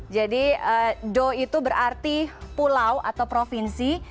jadi do itu berarti pulau atau provinsi